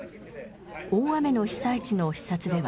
大雨の被災地の視察では。